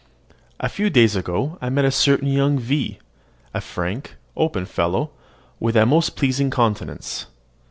A few days ago I met a certain young V , a frank, open fellow, with a most pleasing countenance.